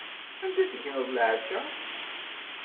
Anda tegneḍ leɛca?